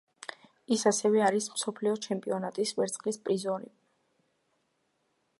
ის ასევე არის მსოფლიო ჩემპიონატის ვერცხლის პრიზიორი.